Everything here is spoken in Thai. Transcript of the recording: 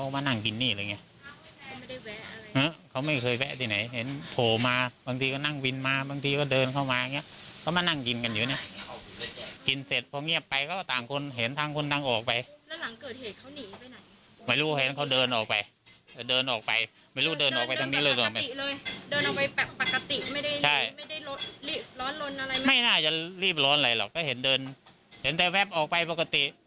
ไม่น่าจะรีบร้อนอะไรหรอกก็เห็นเดินเห็นแต่แป๊บออกไปปกติ